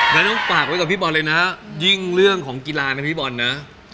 งั้นต้องฝากไว้กับพี่บอลเลยนะยิ่งเรื่องของกีฬานะพี่บอลนะ